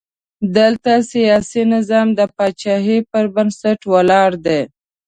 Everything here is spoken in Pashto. دلته سیاسي نظام د پاچاهۍ پر بنسټ ولاړ دی.